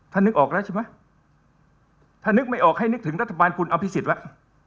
ท่านนึกออกแล้วใช่ไหมท่านนึกไม่ออกให้นึกถึงรัฐบาลคุณอัมพิสิทธิ์ไว้